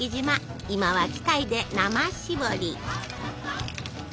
今は機械で生しぼり！